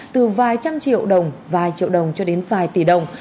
từ vài trăm triệu đồng vài triệu đồng cho đến vài tỷ đồng